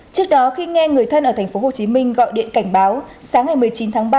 trước đó khi nghe người thân ở thành phố hồ chí minh gọi điện cảnh báo sáng ngày một mươi chín tháng ba